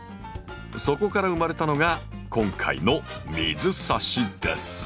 そこから生まれたのが今回の水挿しです。